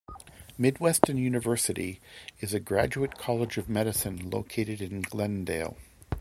Midwestern University is a graduate college of medicine located in Glendale.